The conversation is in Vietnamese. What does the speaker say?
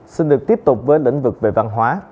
xin được tiếp tục với lĩnh vực về văn hóa